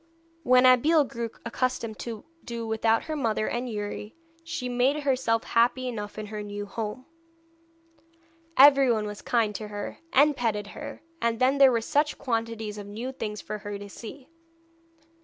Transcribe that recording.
When Abeille grew accustomed to do without her mother and Youri, she made herself happy enough in her new home. Everyone was kind to her, and petted her, and then there were such quantities of new things for her to see.